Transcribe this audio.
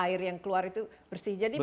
air yang keluar itu bersih jadi